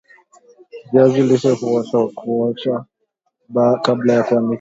viazi lishe huoshwa kuoshwa kabla ya kuanikwa